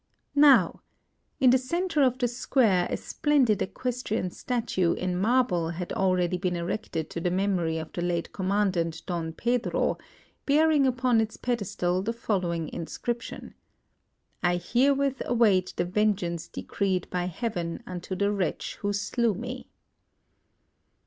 Now, in the centre of the square a splendid equestrian statue in marble had already been erected to the memory of the late Commandant, Don Pedro, bearing upon its pedestal the following inscription: "I HEREWITH AWAIT THE VENGEANCE DECREED BY HEAVEN UNTO THE WRETCH WHO SLEW ME!"